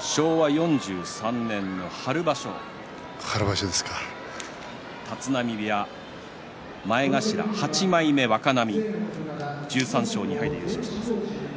昭和４３年の春場所立浪部屋、前頭８枚目の若浪１３勝２敗で優勝しています。